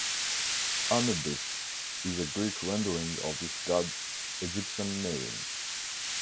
"Anubis" is a Greek rendering of this god's Egyptian name.